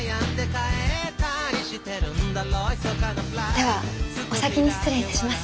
ではお先に失礼いたします。